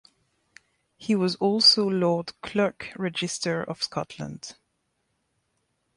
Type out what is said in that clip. He was also Lord Clerk Register of Scotland.